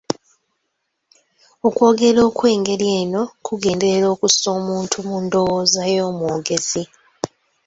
Okwogera okw'engeri eno kugenderera kussa muntu mu ndowooza y'omwogezi .